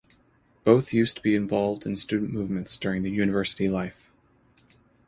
Both used to be involved in student movements during the university life.